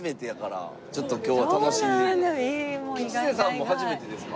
吉瀬さんも初めてですか？